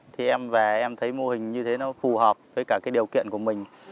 thì em về em thấy mô hình như thế nó phù hợp với cả cái điều kiện của mình